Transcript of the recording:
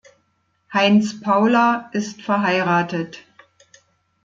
Heinz Paula ist verheiratet.